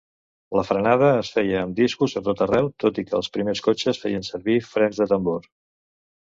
La frenada es feia amb discos a tot arreu, tot i que els primers cotxes feien servir frens de tambor.